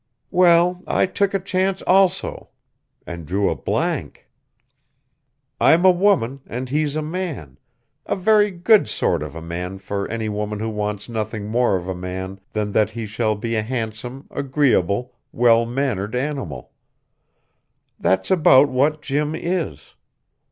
Well, I took a chance also and drew a blank. I'm a woman and he's a man, a very good sort of a man for any woman who wants nothing more of a man than that he shall be a handsome, agreeable, well mannered animal. That's about what Jim is.